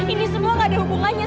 ini semua gak ada hubungannya